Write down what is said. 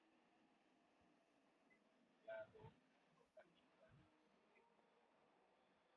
El clado Rotaliida s.l.